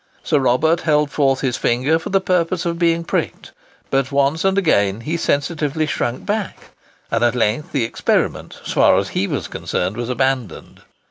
Sir Robert held forth his finger for the purpose of being pricked; but once, and again, he sensitively shrunk back, and at length the experiment, so far as he was concerned, was abandoned.